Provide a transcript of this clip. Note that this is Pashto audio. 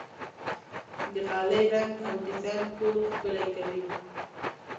د غالۍ رنګ او ډیزاین کور ښکلی کوي.